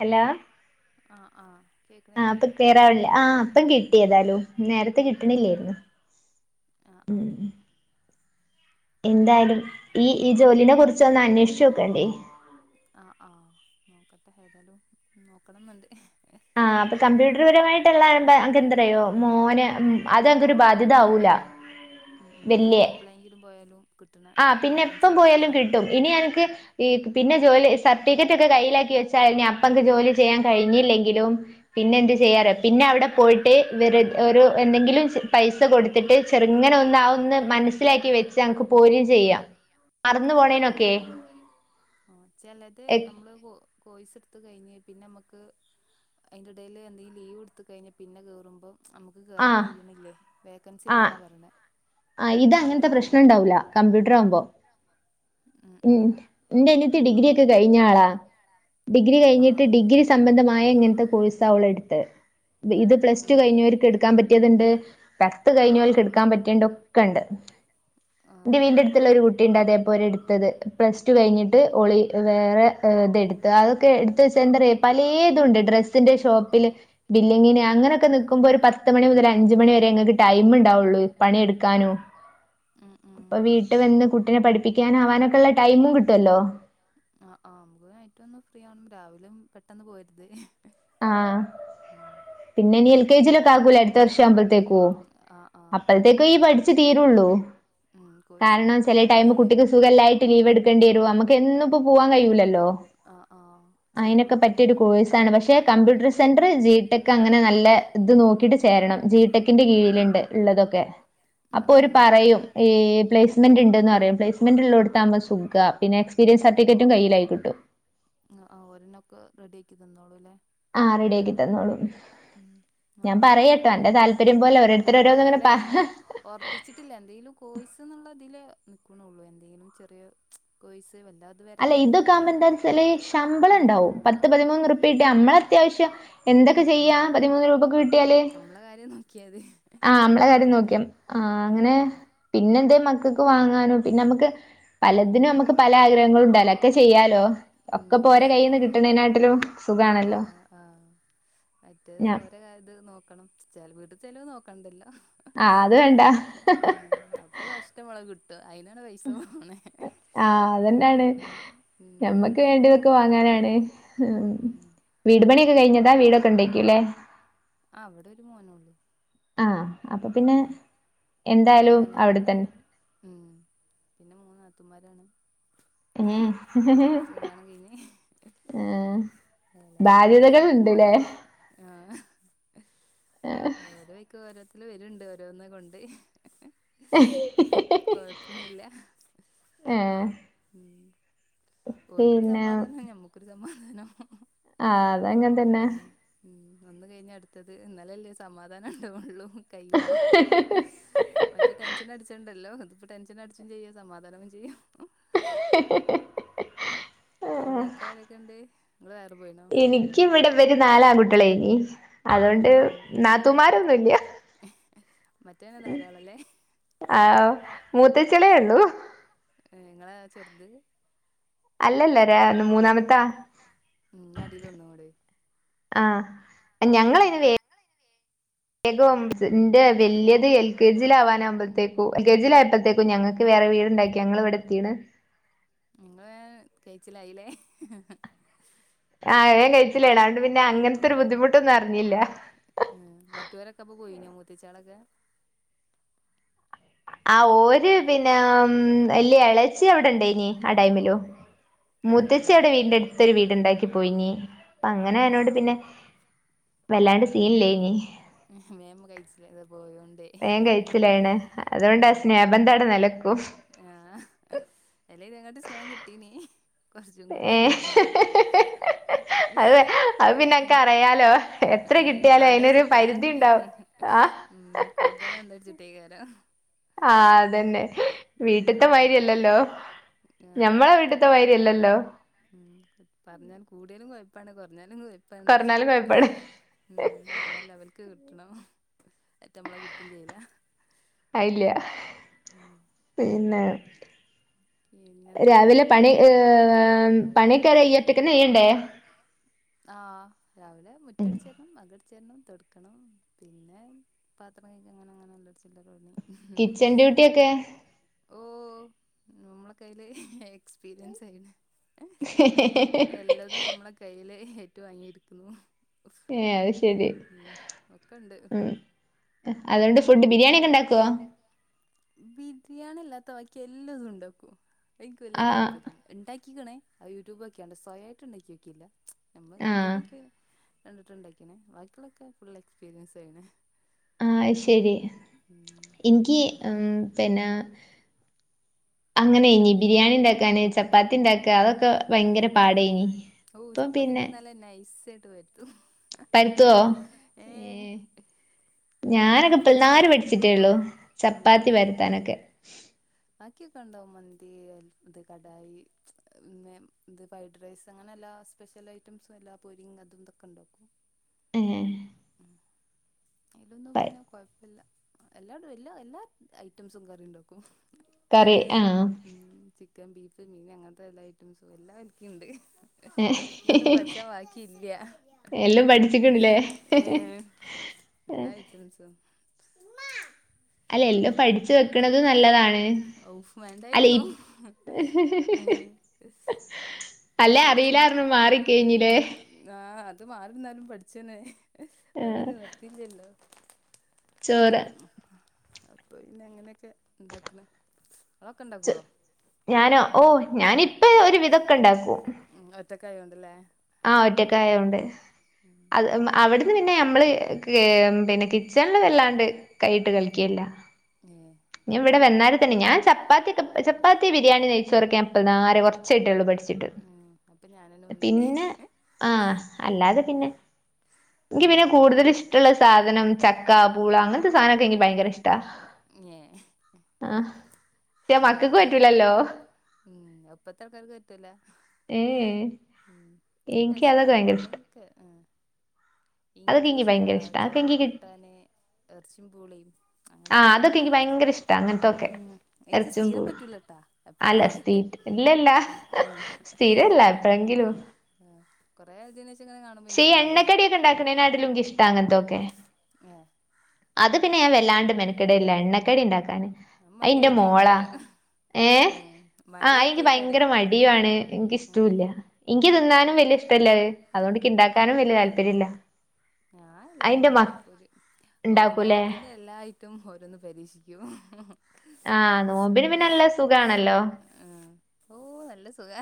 Hello ആഹ് ആഹ് ആഹ് അപ്പൊ ക്ലിയറാവില്ലേ ആഹ് അപ്പം കിട്ടിയതാലോ നേരത്തെ കിട്ടണില്ലേരുന്നു ആഹ് ആഹ് എന്തായാലും ഈ ഈ ജോലീനെ കുറച്ച് ഒന്ന് അന്വേഷിച്ചോക്കണ്ടി ആഹ് ആഹ് നോക്കട്ടെ ഏതായാലും നോക്കണംന്നുണ്ട് ആഹ് അപ്പൊ കമ്പ്യൂട്ടർപരമായിട്ട്ള്ളുമ്പ എന്താ പറയോ മോന ഉം ഉം പിന്നെപ്പളെങ്കിലും പോയാലും ആ പിന്നെ എപ്പം പോയാലും കിട്ടും ഇനി എനിക്ക് ഈ പിന്നെ ജോലി സർട്ടിഫിക്കറ്റ് ഒക്കെ കയ്യിലാക്കി വച്ചഴിഞ്ഞ അപ്പക്ക് ജോലി ചെയ്യാൻ കഴിഞ്ഞില്ലെങ്കിൽ ങ്കിലും പിന്നെ എന്തു ചെയ്യാറ് പിന്നെ അവിടെ പോയിട്ട് ഒര് എന്തെങ്കിലും പൈസ കൊടുത്തിട്ട് ചെറുങ്ങനെ ഒന്നാവന്ന് മനസ്സിലാക്കി വെച്ച് ഞക്ക് പോരും ചെയ്യാം മറന്നു പോണേനൊക്കെ ആ ചെലത് നമ്മള് കോഴസ് എടുത്ത കഴിഞ്ഞ് പിന്നെ നമുക്ക് അതിന്റെ ഇടയിൽ എന്തെങ്കും ലീവ് എടുത് കഴിഞ്ഞ പിന്നെ കയറുമ്പോ നമുക്ക് ക്ക് കേറാൻ കഴിയണില്ലേ വേക്കൻസി ഇല്ലാന്നാ പറഞ്ഞേ ആ ഇത് അങ്ങനത്തെ പ്രശ്നംണ്ടാവൂല്ല കമ്പ്യൂട്ടർ ആവുമ്പോ ഉം എന്റെ ആനുജത്തി ഡിഗ്രി ഒക്കെ കഴിഞ്ഞ ആളാ ഡിഗ്രി കഴിഞ്ഞിട്ട് ഡിഗ്രീ സംബന്ധമായ ഇങ്ങനത്തെ കോഴിസള എടുത്ത് ഇത് പ്ലസ് ടു കഴിഞ്ഞവർക്ക് എടുക്കാൻ പറ്റിയതുണ്ട് പത്ത് കഴിഞ്ഞവർക്ക് എടുക്കാൻ പറ്റിയണ്ട് ഒക്കെ ഉണ്ട് എന്റെ വീഡിന്റെ അടുത്തുള്ള ഒരു കുട്ടിയണ്ട് അതേപ്പോ എടുത്തത് പ്ലസ് ടു കഴിഞ്ഞിട്ട് ഒളി വേറെ ഇത എടുത്ത് അതൊക്കെ എടുത്ത വെച്ചാ എന്താ പറയുക പലതുണ്ട് ഡ്രസ്സിന്റെ ഷോപ്പില് ബില്ലിങ്ങിനെ അങ്ങനെയൊക്കെ നിക്കുമ്പോ ഒരു പത്ത് മണി മുതൽ അഞ്ച മണി വരെ എങ്ങൾക്ക് ടൈം ഉണ്ടാവുള്ളൂ പണിെടുക്കാനോ അപ്പൊ വീട്ട് വന്ന് കുട്ടിനെ പഠിപ്പിക്കാന ആവാനൊക്കെ ഉള്ള ടൈമും കിട്ടുമല്ലോ ആ ആ നമുക്ക് ഐറ്റ ഒന്ന് ഫ്രീ ആണം രാവിലും പെട്ടെന്ന് പോയരുത് ആഹ് ഉം പിന്നെ ഇനി എൽ കെ ജിയിലൊക്കെ ആകൂല അടുത്ത വർഷം ആമ്പോഴത്തേക്കോ അപ്പഴത്തേക്കോ ഈ പഠിച്ചു തീരുള്ളൂ കാരണം ചില ടൈമ കുട്ടിക്ക് സുഖല്ലായിട്ട് ലീവ് എടുക്കേണ്ടി വരും നമക്ക് എന്നും ഇപ്പം പോവാൻ കയൂലല്ലോ അയിനക്കെ പറ്റിയ കോയിസാണ് പഷേ കമ്പ്യൂട്ടർ സെന്റർ ജിടെക് അങ്ങനെ നല്ല ഇത് നോക്കിട്ട് ചേരണം ജിടെക്കിന്റെ കീഴിലുണ്ട് ഉള്ളതൊക്കെ അപ്പൊ ഒരു പറയും പ്ല പ്ലാസ്‌മെന്റ് ഉണ്ടന്ന് പറയും പലേസ്മെന്റ് ഉള്ളോടുതാവുമ്പോ പിന്നെ എക്സ്പീരിൻസ് സർട്ടിഫിക്കറ്റും കയ്യിലായിയിട്ടും ആ ആ ഒരനൊക്കെ റെഡി ആക്കി തന്നോളൂ അല്ലേ ആ റെഡിയ ആക്കി തന്നോളൂ നോക്കണം അല്ല ഞാന് ഓർ തിരുമാനിച്ചിട്ടില്ല എന്തെങ്കിലും കോഴസ് എന്നുള്ളതിൽ നൽക്കണള്ളൂ എന്തെങ്കിലും ചെറിയ കോയ്സ് വല്ലാ അല്ല ഇതൊകാവുമ്പോ എന്താന്ന് വെച്ചാൽ ശമ്പളംണ്ടാവും പത്ത് പതിമൂന്ന് റുപ്പ്യക്കെ അമ്മളെ അത്യാവശ്യം എന്തൊക്കെ ചെയ്യാ പതിമൂന്ന് രൂപക്കെ കിട്ടിയാല് ആഹ് മ്മളെ കാര്യം നോക്കിയാ ആഹ് അങ്ങനെ പിന്നെ എന്തേ മക്കൾക്ക് വാങ്ങാനോ പിന്നെ നമുക്ക് പലതിനും നമുക്ക് പല ആഗ്രഹം ഉണ്ടല്ലോ ഒക്കെ ചെയ്യാലോ ഒക്കെപോരെ കൈൽന്ന് കിട്ടണേനാട്ടിലും സുഖാണല്ലോ മറ്റേത് ഓരെ ഇത് നോക്കണം ചില വീട്ട് ചെലവ് നോക്കണ്ടല്ലോ ആ അപ്പൊ ഇഷ്ടമ്പോലെ കിട്ടും അയിനാണ് പൈസ പോണേ ആ അതന്നെണ് ഞമ്മക്ക് വേണ്ടിതൊക്കെ വാങ്ങാനാണ് ഉം വീട് പണിയൊക്കെ കഴിഞ്ഞതാ വീടൊക്കെ ഇണ്ടെകുല്ലേ ആ അവിടെ ഒരു മോനൊള്ളു ഉ നമ്മളെന്നെ ഉം പിന്നെ മൂന്ന് നാത്തുന്മാരാണ് ഏഹ് ഏ ബാധ്യതകളുണ്ട്ല്ലേ ആഹ് ആ ഓരോ വൈക്ക് ഓരോത്തര് വരുണ്ട് ഓരോന്ന് കൊണ്ട് [inaudible] കൊഴപ്പൊന്നില്ല ഏഹ് ഉം ഓർക്കൊരു സമാധാനം ഞമ്മക്കൊരു സമാധാനം ആ അതങ്ങന് തന്നെ ഉം ഒന്ന് കഴിഞ്ഞ അടുത്തത് എന്നാലല്ലേ സമാധാനം ഉണ്ടവുള്ളൂ കഴിയുമ്പോ മറ്റേത് ടെൻഷൻ അടിച്ചുണ്ടല്ലോ ഇതിപ്പോ ടെൻഷൻ അടിച്ചും ചെയ്യും സമാധാനവും ചെയ്യും ഇങ്ങക്കാരൊക്കെ ഇണ്ട് നിങ്ങൾ വേറെ പോയിനോ എനിക്ക് ഇവിടെ ഇവര് നാല് ആൺ കുട്ടിളേനിം അതൊണ്ട് നാത്തുന്മാരൊന്നുംല്ല [unintelligible] ഉം ആഹ് മൂത്തച്ചിയാളെ ഉള്ളൂ ഏഹ് ഇങ്ങളാ ചെറുത് അല്ലല്ല ഞാൻ മൂന്നാമത്താ ഉം ഇഞ് അടിൽ ഒന്നും കൂടി ആ ഞങ്ങളയിന് വേം വേഗോം ബിച്ചു ഇന്റെ വലിയത് എൽ എൽ കെ ജി ആവാനാവുമ്പോത്തേക്കും എൽ കെ ജി ആയപ്പാതെക്കും ഞങ്ങൾക്ക് വേറെ വീട്ണ്ടാക്കി ഞങ്ങൾ ഇവിടെ എത്തിക്ക്ണ് നിങ്ങള് വേം കഴിച്ചില്ലായില്ലേ ആഹ് വേഗം കഴിച്ചില്ലോണ് അതൊണ്ട് പിന്നെ അങ്ങനത്തെൊരു ബുദ്ധിമുട്ടൊന്നും അറിഞ്ഞില്ല ഉം മറ്റേരൊക്കെ അപ്പൊ പോയിനോ മൂത്തച്ചേളൊക്കെ ആ ഓര് പിന്നെ ഉം ഇല്ല ഇളച്ചി അവിടെണ്ടെനിം ആ ടൈമിലും മുത്തച്ചി അവിടെ വീടിന്റെ അടുത്തൊരു വീട്ണ്ടാക്കി പോയിനിം അപ്പോ അങ്ങനെ അയിനോട് പിന്നെ വല്ലാണ്ട് സീനില്ലെനി ഹും വവേം കഴിച്ചിലായാത പോയോണ്ട് ഉം അതോണ്ട് ആ സ്നേഹ ബന്ധം അവിടെ ഇണ്ടായി ആ ആഹ് അല്ലെയ്‌ അങ്ങോട്ട് സ്നേഹം കിട്ടീനിം കുറച്ചും കൂടി നിന്നിണെങ്കി ഉം വാണ്ടാ വെച്ചിട്ടാ ഉം കൂടുതൽ വേണ്ടച്റ്റക്കാരം ആഹ് അതന്നെ വീട്ടത്തെ മരിയല്ലല്ലോ ഞമ്മളെ വീട്ടത്തെ മാരിയല്ലല്ലോ ഉം പറഞ്ഞാൽ കൂടിയാലും കൊഴപ്പാണ് കുറഞ്ഞാലും കൊഴപ്പ കോർഞ്ഞാലും കൊഴപ്പാണ് ഉം ആ ലെവൽക്ക് കിട്ടണം ആഹ് ഏറ്റെ മ്മളെ കിട്ടും ചെയ്യുലാ ആഹ് ല്ല പിന്നെ- പിന്നെന്തൊക്കെയ രാവിലെ പണി ഈഹ് പണിയൊക്കെ കയിഞ്ഞാ പിന്നെ ഫ്രീ അല്ലെ ആഹ് രാവിലെ മുറ്റടിച്ചരണം അകടിച്ചരണം തൊടുക്കണം പിന്നെ- പാത്രം കേക്ക അങ്ങനെ അങ്ങനെല്ലട ചില്ലണി കിച്ചൻ ഡ്യൂട്ടി ഓക്കെ ഓഹ് നമ്മളകയ്ൽ എക്സ്പീരിയൻസ് ആയിക്ക്ണ് എല്ലതും നമ്മള- കയ്യിൽ ഏറ്റുവാങ്ങിയിരിക്കുന്നു ഏഹ് അത് ശരി- ഉം ഒക്കണ്ട് ഉം അതുകൊണ്ട് ഫുഡ് ബിരിയാണി ഒക്കെ ഉണ്ടാക്കോ ബിരിയാണില്ലാത്ത ബാക്കി എല്ലാതും ഉണ്ടാക്കുംഅത് ഇന്ക്ക് വല്യ താല്പര്യല്ല ഉണ്ടാക്കിക്ക്ണ് അത് യൂട്യൂബ് നോക്കിയാണ് സ്വയായിട്ട് ഉണ്ടാക്കി നോക്കില്ല നമ്മള് യൂട്യൂബ് നോക്കിയ - ഉണ്ടാക്കിയോകിക്ക്ണ് ബാക്കിയളൊക്ക ഫുൾ എക്സ്പീരിയൻസ് ആയിനെ ആഹ് ശരി എനിക്ക് ഉം പിന്ന അങ്ങനെ എയ്നി ബിരിയാണി ണ്ടാക്കാ ചപ്പാത്തി ഉണ്ടാക്കാ അതൊക്കെ ഭയങ്കര പാടേനി ഓഹ് ചപ്പാത്തിക്കെ ന്നാലും നല്ല നൈസായിട്ട് പരത്തും പരുത്തുവോ ഏഹ് ഞാനൊക്കെ ഇപ്പൊന്നാരെ പഠിച്ചിട്ടൊള്ളു യള്ളൂ ചപ്പാത്തി പരത്താനൊക്കെ ബാക്കിയൊക്കെ ഇണ്ടാവും മന്തി ഇത് കടായി പിന്നെ ഇത് ഫ്രൈഡ് റൈസ് അങ്ങനെ എല്ലാ സ്പെഷ്യൽ ഐറ്റംസ് എല്ലാ പൊരിയം അതും ഇതൊക്കെ ഇണ്ടാക്കും ഏ ഉം അയിലൊന്നും പിന്നെ കൊഴപ്പല്ല എല്ലാടും എല്ലാ എല്ലാ ഐറ്റംസും കറിണ്ടാക്കും കറി ആഹ ഉം ചിക്കൻ ബീഫ് മീൻ അങ്ങനത്തെ എല്ലാ ഐറ്റംസും എല്ലാം ഒലക്കിം ഇണ്ട് ഇഞ്ഞത്തും പഠിച്ച ബാക്കി ഇല്ല എല്ലൊ പഠിച്ച്ക്ക്ണ്ല്ലേ എല്ലാ ഐറ്റംസും അല്ല എല്ലും പഠിച്ച് വെക്ക്ണതും നല്ലതാണ് ഔഫ് വേണ്ടായിരുന്നു ഔ പഠിച്ച്ണ് ഉം ആഹ് അത് മാറിന്നാലും പഠിച്ചേനെ വേറെ നിവൃത്തിയില്ലല്ലോ ചോര അപ്പൊ പിന്നെ അങ്ങനെയൊക്കെ ഇണ്ടാക്ക്ണ് ചൊ ഞാനോ ഓ ഞാനിപ്പം ഒരു വിതൊക്കെ ഇണ്ടാക്കും ഉം ഒറ്റക്കങ അയൊണ്ട്ല്ലേ ആഹ ഒറ്റക്കയോണ്ട് അത് അവിടുന്ന് പിന്നെ ഞമ്മള് പിന്നെ കി കിച്ചണ്ല് വല്ലാണ്ട് കൈയിട്ട് കളിക്കേല്ല ഞ ഇവിടെ വന്നാരെ തന്നെ ഞാൻ ചപ്പാത്തിക്കെ ചപ്പാത്തി ബിരിയാണി നെയ്ചോറൊക്കെ ഞാൻ ഇപ്പന്നരേ കൊ ച്ചായിട്ടേള്ളൂ പഠിച്ചിട്ട് പിന്നെ ആഹ അല്ലാതെ പിന്നെ ഇന്ക്ക് പിന്നെ കൂടുതൽ ഇഷ്ടള്ള സാധനം ചക്ക പൂള അങ്ങനത്തെ സാധനക്കെ എനിക്ക് ഭയങ്കര ഇഷ്ടാ ഏ ആഹ അങ്ങത്തെ ഉം ആഹ് അപ്പത്തെ ആൾക്കാർ സെറ്റുല്ല ഉം ആഹ് അരസാ എപ്പളങ്കിലൊക്കെ ഇന്കിഷ്ടാ ചക്ക കൂട്ടാൻ ഇറച്ചിം പൂളിം അങ്ങനെയൊക്കെ ഉം ഇച്ച് സ്ഥീരം പറ്റൂലട്ടാ എപ്പളെങ്കിലൊക്കെ ആഹ ആഹ ആഹ കുറേതിന് ക്ഷി ഈ എണ്ണക്കടി ഒക്കെ ഇണ്ടാക്ക്ണേ നാട്ടിലുംക്കേ ഇഷ്ട അനതൊക്കെ അത് പിന്നെ ഞാ വല്ലാണ്ട് മെനക്കടെയില്ല എണ്ണക്കടി ഇണ്ടാക്കാന് അത് മടിയിട്ടേക്കാരം ഏ ആഹ് ഇനിക്ക് ഭയങ്കര മടിയുണ് ഇന്ക്ക് ഇഷ്ടൂല്ല ഇന്ക്ക് തിന്നാനും വലൃ ഇഷ്ടല്ല അഹ് അത്തൊണ്ട് ഇക്ക് വലൃ താല്പര്യല്ല ഞാൻ എല്ലാ ഐറ്റവും ഇപ്പൊര് ഒ നോമ്പിന് എല്ലാ ഐറ്റം റ്റം ഓരോന്ന് പരീക്ഷിക്കൂം ആഹ നോമ്പിന് പിന്നെ നല്ല സുഖണല്ലോ ഉം ഓ നല്ല സുഖ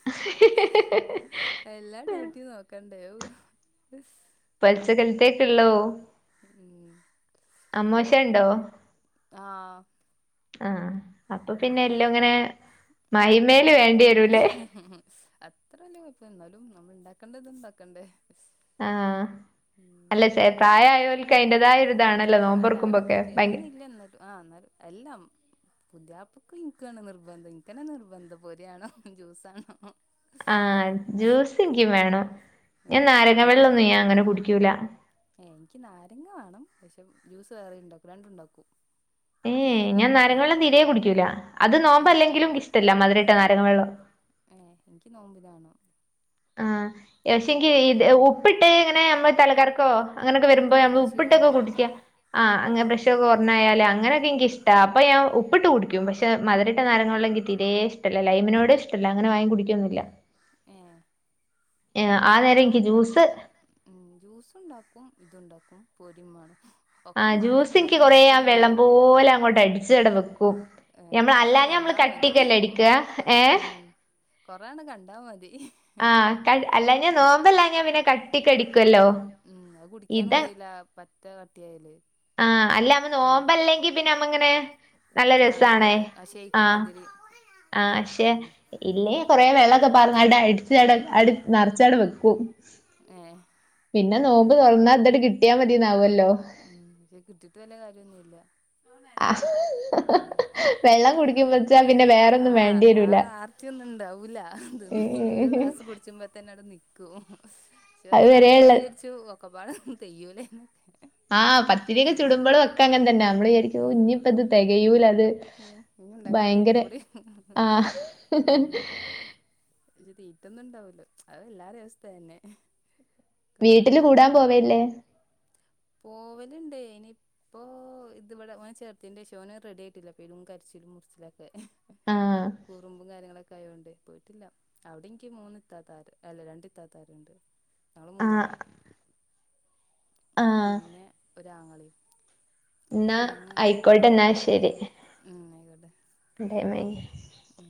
[inaudible] എല്ലാ ഡ്യൂട്ടി നോക്കണ്ടേ [inaudible] പെൽ ചെകൽ [unintelligible] അമ്മോശൻ ഇണ്ടോ ആഹ അപ്പൊ പിന്നെ യെല്ലോ ഇങ്ങനെ മഹിമേല് വേണ്ടി വരുല്ലേ ഉം ആ അത്ര വലൃയ കുഴപ്പൊന്നുല്ല ഇപ്പ ഇന്നാലും നമ്മൾ ഇണ്ടാക്കേണ്ടത് ഇണ്ടക്കണ്ടേ ആഹ അല്ല പ്രായയേർക്ക് അതിന്റേതായ ഒരുതാണല്ലോ നോമ്പ് തൊറക്കുംബൊക്കെ ഭയങ്ക ആഹ് എന്നന്ന എല്ലാം പുതിയപ്പൊക്കും ഇക്കാണ് നിർബന്ധം ഇക്കനെ നിർബന്ധം ആഹ ജ്യൂസ് എനിക്കും വേണം ഞാൻ നാരങ്ങ വെള്ളമൊന്നും ഞാൻ അങ്ങനെ കുടിക്കൂല ഏ എനിക്ക് നാരങ്ങ വേണം പക്ഷെ ജ്യൂസ് വേറെ ഉണ്ടാക്കും രണ്ട ഉണ്ടാക്കും ഏ് ഞാൻ നാരങ്ങ വെള്ളം തിരയെ കുടിക്കൂല അത് നോമ്പോ അല്ലെങ്കിലും ഇഷ്ടല്ല മധരമായിട്ടാ നാരങ്ങ വെള്ളം ഏ എനിക്ക് നോമ്പിതാണ്ോ ആഹ ശിങ്കി ഇത് ഉപ്പ് ഉപ്പിട്ട് ഇങ്ങനെ നമ്മൾ തലകാർക്കോ അങ്ങനെയൊക്കെ വരുമ്പോ നമ്മള് ഉപ്പിട്ടൊക്കെ കുടിക്കാ ആഹ അങ്ങനെ പ്രശം ഒക്കെ ഒണ്ണായാല അങ്ങനൊക്കെ എനിക്ക് ഇഷം അപ്പോൾ ഞൻ ഉപ്പിട്ട് കുടിക്കും പക്ഷെ മധരട്ട നാരങ്ങള ഉെങ്കിൽ തീരെ ഇഷ്ടല്ല ലൈമിനോട് ഇഷ്ടം അല്ല അങ്ങനെ വാം കുടിക്കൊന്നില്ല ഏ ഞാൻ ആ ഉണ്ടാക്കും ഉ ജ്യൂസ് ഉണ്ടാക്കും ഇതുണ്ടാക്കും പൊരിമാണ് ആ ജ്യൂസി എക്ക് കൊറേ വെള്ളം പോലെ അങ്ങോട്ട് അടിച്ചു ഇട വെക്കും മ്മൾ അല്ലാഞ്ഞാ നമ്മള് കട്ടിക്കല്ല ഇടിക്ക ഏ കൊറാണ് കണ്ടാൽ മതി ആ് അല്ല ഞാൻ നോമ്പല്ല ഞാൻ പിന്നെ ഉ അത് കുടിക്കാനും കഴിയില്ല പറ്റ കട്ടിയായല് ആഹ അല്ല അമ്മ നോമ്പ അല്ലെങ്കി പിന്നെ അമ്മങ്ങനെ നല്ല രസണേ ആഹ ആ ശരി ഇല്ലേ കൊറെേ വെള്ളമൊക്കെ പറഞ്ഞു അടെ അടിിച്ചട അടി നിറച്ചാട വെക്കൂ ഏ പിന്നെ നോമ്പ് തുറന്നാൽ പെ കിട്ടീട്ട് വല്ല കാര്യംൊന്നുല്ല ആഹഹ കുറ്റൊന്നും ഉണ്ടാവൂില്ല അതന്ന പിന്നെ ഒരു ഗ്ലാസ് കുടിച്ചുമ്പോ തന്നെ അവിടെ നിക്കും പക്ഷെ അത് കണ്ടാ വിചാരിച്ചു ഒക്കപ്പാടൊും തെയ്യൂലേ ആഹ് പത്തിരിയൊക്കെ ചുടുമ്പോഴും ഒക്കെ അങ്ങെ തന്നെ നമ്മള്രിക്കും കുഞ്ഞ ഇപ്പ ഇത് തികയൂല അത് ഭയങ്കര ആഹ പ തീറ്റൊന്നും ഇണ്ടാവല്ലോ അത എല്ലാാര അവസ്ഥ അയന്നെ പോവലുണ്ടേ ഇനി ഇപ്പൊ ഇത്വിടെ ഓൻ ചേർത്തിതിന്റെ ശേഷം അവഓന് റെഡി ആയിട്ടില്ല പലും കരിച്ചിലും മുറിച്ചിലോ തെ കുറുമ്പും കാര്യങ്ങളൊക്കെ കൈണ്ട് പോയിട്ടില്ല അവിടെ ഇക്ക് മൂന്ന് ഇത്താത്തര് അല്ല രണ്ട് ഇത്താത്താരുണ്ട്. ഞങ്ങള് മൂന്നാളാ പിന്നെ ഒരാങ്ങളീം. എന്നാ ആയിക്കോട്ടെന്നാ ശരി. ടൈമായി. ഉം